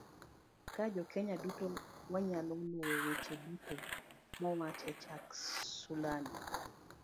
Ka Jo Kenya duto wanyalo luwo weche duto mowach e chak sulani